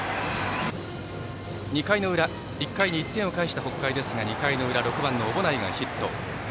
２回の裏、１回に１点を返した北海ですが２回の裏、６番の小保内がヒット。